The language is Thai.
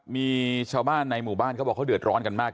มีชาวบ้านในหมู่บ้านเขาบอกเขาเดือดร้อนกันมาก